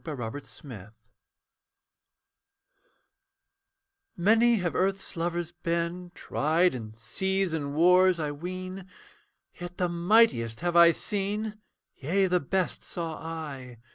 THE HUMAN TREE Many have Earth's lovers been, Tried in seas and wars, I ween; Yet the mightiest have I seen: Yea, the best saw I.